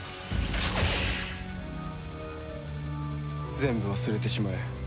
全部忘れてしまえ。